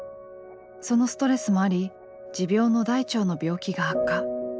そのストレスもあり持病の大腸の病気が悪化。